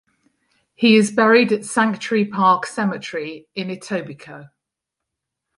He is buried at Sanctuary Park Cemetery in Etobicoke.